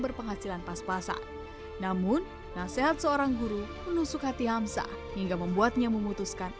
berpenghasilan pas pasan namun nasihat seorang guru menusuk hati hamsah hingga membuatnya memutuskan